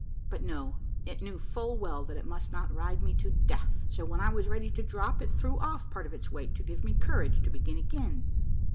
But no, it knew full well that it must not ride me to the death, so when I was ready to drop, it threw off part of its weight to give me courage to begin again.